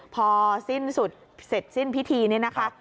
พอสิ้นสุดเสร็จสิ้นพิธีนี่นะคะ